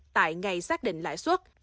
tại ngày xác định lãi suất